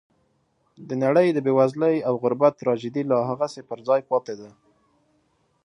د نړۍ د بېوزلۍ او غربت تراژیدي لا هغسې پر ځای پاتې ده.